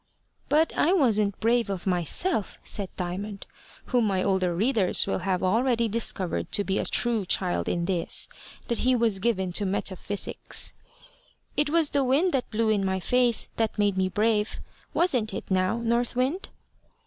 "But I wasn't brave of myself," said Diamond, whom my older readers will have already discovered to be a true child in this, that he was given to metaphysics. "It was the wind that blew in my face that made me brave. Wasn't it now, North Wind?"